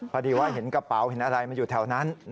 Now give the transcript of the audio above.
พอดีว่าเห็นกระเป๋าเห็นอะไรมันอยู่แถวนั้น